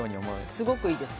すごくいいです。